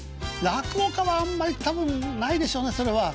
落語家はあんまり多分ないでしょうねそれは。